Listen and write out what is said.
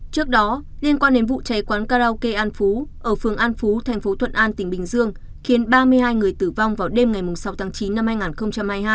trước đó liên quan đến vụ cháy quán karaoke an phú ở phường an phú thành phố thuận an tỉnh bình dương khiến ba mươi hai người tử vong vào đêm ngày sáu tháng chín năm hai nghìn hai mươi hai